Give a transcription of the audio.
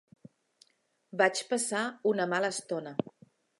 Vaig passar una mala estona.